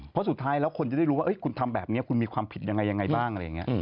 เพราะสุดท้ายแล้วคนจะได้รู้ว่าคุณทำแบบนี้คุณมีความผิดยังไงบ้าง